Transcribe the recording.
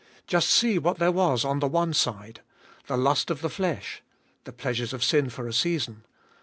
Just see what there was on the one side. The lust of the flesh : the pleasures of sin for a season.